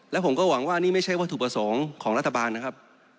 และผมก็หวังว่านี่ไม่ใช่วัตถุประสงค์ของรัฐบาลนะครับ